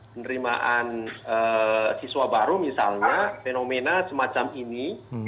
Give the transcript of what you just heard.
penerimaan siswa baru misalnya fenomena semacam ini